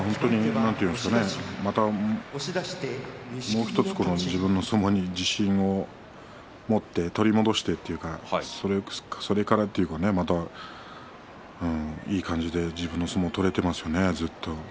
またもう１つ自分の相撲に自信を持って取り戻してというかそれからというかまたいい感じで自分の相撲を取れていますよね、ずっと。